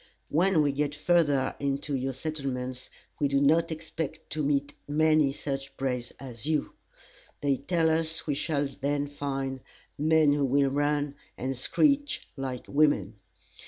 When we get further into your settlements, we do not expect to meet many such braves as you. They tell us we shall then find men who will run, and screech like women.